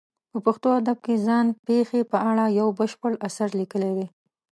په پښتو ادب کې ځان پېښې په اړه یو بشپړ اثر لیکلی دی.